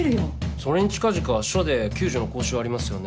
それに近々署で救助の講習ありますよね。